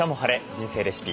人生レシピ」。